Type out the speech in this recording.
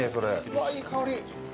うわっいい香り。